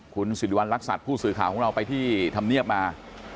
คุณสิริวัณรักษัตริย์ผู้สื่อข่าวของเราไปที่ธรรมเนียบมา